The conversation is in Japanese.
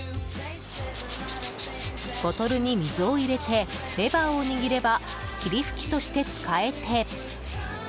ボトルに水を入れてレバーを握れば霧吹きとして使えて。